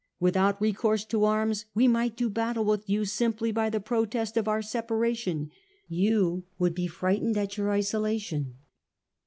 Without recourse to arms, we might do battle with you simply by the protest of our separation ; you would be frightened at your isolation.